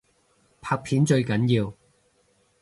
拍片最緊要